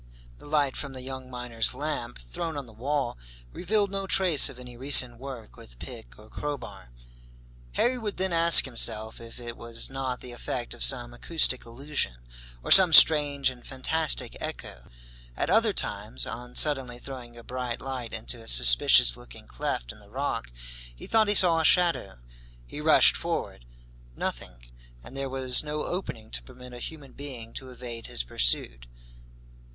The light from the young miner's lamp, thrown on the wall, revealed no trace of any recent work with pick or crowbar. Harry would then ask himself if it was not the effect of some acoustic illusion, or some strange and fantastic echo. At other times, on suddenly throwing a bright light into a suspicious looking cleft in the rock, he thought he saw a shadow. He rushed forward. Nothing, and there was no opening to permit a human being to evade his pursuit!